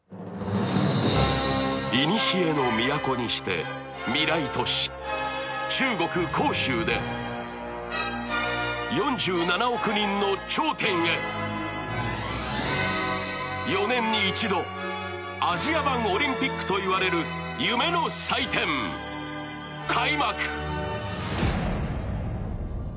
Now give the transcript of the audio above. いにしえの都にして未来都市、中国・杭州で４７億人の頂点へ、４年に１度、アジア版オリンピックといわれる夢の祭典、開幕。